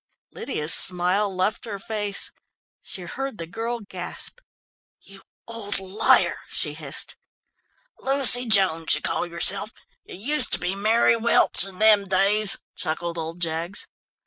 Lydia's smile left her face. She heard the girl gasp. "You old liar!" she hissed. "Lucy Jones you call yourself you used to be Mary Welch in them days," chuckled old Jaggs.